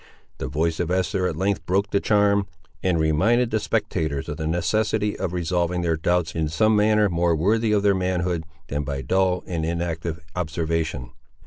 The voice of Esther at length broke the charm, and reminded the spectators of the necessity of resolving their doubts in some manner more worthy of their manhood, than by dull and inactive observation.